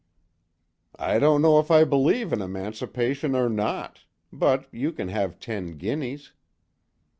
"I don't know if I believe in emancipation or not, but you can have ten guineas."